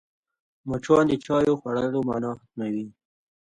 مچان د چايو خوړلو مانا ختموي